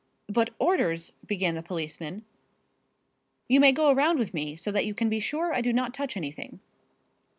"But orders " began the policeman. "You may go around with me, so that you can be sure I do not touch anything."